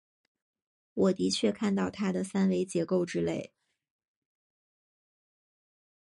我的确看到它的三维结构之类。